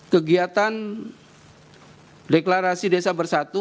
kegiatan deklarasi desa bersatu